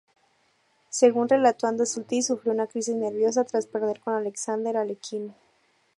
Según relató Andy Soltis, sufrió una "crisis nerviosa" tras perder con Alexander Alekhine.